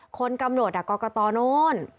คนกำหนดก็ตอนโน้น